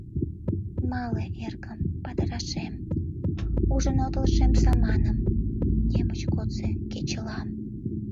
Мале, эргым, падырашем. Ужын отыл шем саманым — Немыч годсо кечылам.